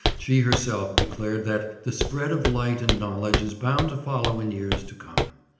She herself declared that 'the spread of light and knowledge is bound to follow in years to come.